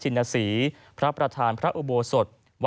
ที่มีโอกาสได้ไปชม